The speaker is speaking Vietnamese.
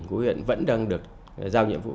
huyện vẫn đang được giao nhiệm vụ